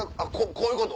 こういうこと？